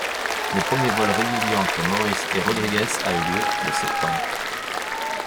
Le premier vol régulier entre Maurice et Rodrigues a eu lieu le septembre.